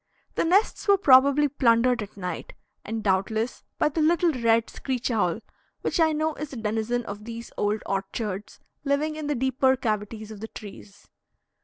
The nests were probably plundered at night, and doubtless by the little red screech owl, which I know is a denizen of these old orchards, living in the deeper cavities of the trees.